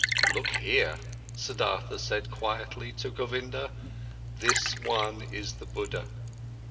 "Look here!" Siddhartha said quietly to Govinda. "This one is the Buddha."